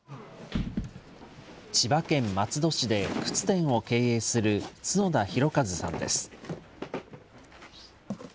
千葉県松戸市で靴店を経営する角田寛和さんです。